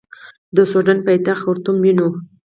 د سوډان پایتخت خرطوم ونیو.